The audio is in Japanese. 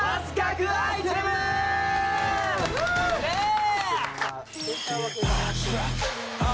イエーイ！